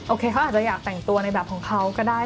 เขาอาจจะอยากแต่งตัวในแบบของเขาก็ได้